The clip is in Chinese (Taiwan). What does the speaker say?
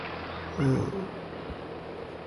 蒼藍鴿醫師告訴你